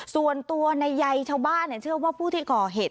ส่วนตัวในใยชาวบ้านเชื่อว่าผู้ที่ก่อเหตุ